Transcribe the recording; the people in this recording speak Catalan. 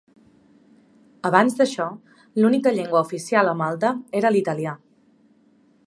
Abans d'això, l'única llengua oficial a Malta era l'italià.